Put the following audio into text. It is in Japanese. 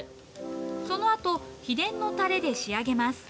そのあと、秘伝のたれで仕上げます。